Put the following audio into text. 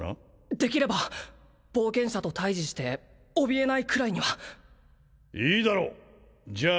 できれば冒険者と対じしておびえないくらいにはいいだろうじゃあ